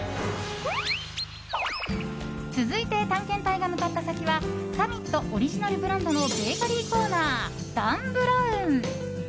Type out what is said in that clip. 続いて探検隊が向かった先はサミットオリジナルブランドのベーカリーコーナーダン・ブラウン。